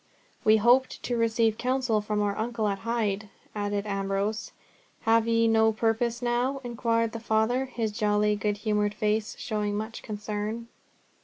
"We hoped to receive counsel from our uncle at Hyde," added Ambrose. "Have ye no purpose now?" inquired the Father, his jolly good humoured face showing much concern.